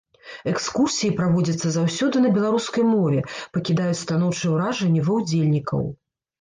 Экскурсіі праводзяцца заўсёды на беларускай мове, пакідаюць станоўчыя ўражанні ва ўдзельнікаў.